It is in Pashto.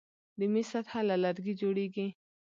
د میز سطحه له لرګي جوړیږي.